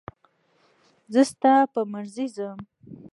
زه ستا په مرضي ځم.